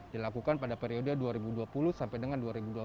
dilakukan pada periode dua ribu dua puluh sampai dengan dua ribu dua puluh empat